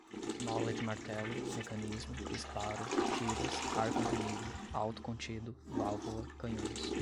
mola de martelo, mecanismo, disparo, tiras, ar comprimido, autocontido, válvula, canhões